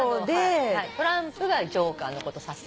トランプが「ジョーカー」のこと指す。